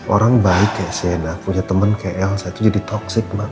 orang baik kayak sienna punya temen kayak elsa itu jadi toxic mbak